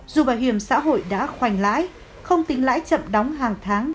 dù bảo hiểm xã hội đã khoanh lãi không tính lãi chậm đóng hàng tháng